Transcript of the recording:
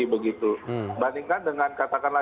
begitu bandingkan dengan